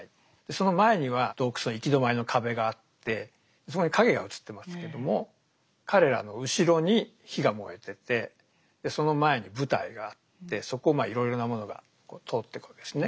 その前には洞窟の行き止まりの壁があってそこに影が映ってますけども彼らの後ろに火が燃えててその前に舞台があってそこをいろいろなものが通ってくわけですね。